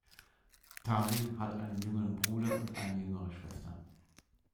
Tawil hat einen jüngeren Bruder und eine jüngere Schwester.